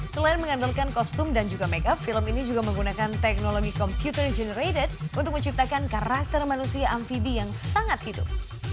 selain mengandalkan kostum dan juga makeup film ini juga menggunakan teknologi computer generated untuk menciptakan karakter manusia amfibi yang sangat hidup